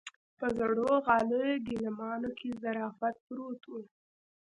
په زړو غاليو ګيلمانو کې ظرافت پروت و.